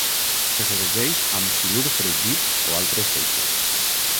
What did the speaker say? Se serveix amb silur fregit o altres peixos.